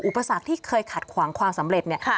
อุปสรรคที่เคยขัดขวางความสำเร็จเนี่ย